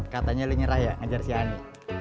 katanya li nyerah ya ngajar si ani